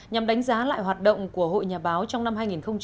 nhằm đánh giá lại hoạt động của hội nhà báo trong năm hai nghìn một mươi bảy